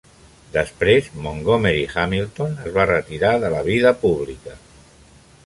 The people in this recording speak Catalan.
Després, Montgomery Hamilton es va retirar de la vida pública.